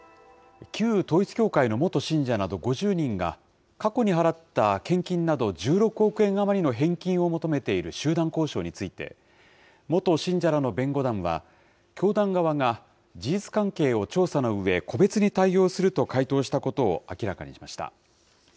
旧統一教会の元信者など５０人が、過去に払った献金など、１６億円余りの返金を求めている集団交渉について、元信者らの弁護団は、教団側が事実関係を調査のうえ、個別に対応すると回答したことを明らかにしました。